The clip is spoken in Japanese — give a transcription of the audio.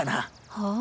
はあ？